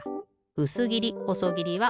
うすぎりほそぎりは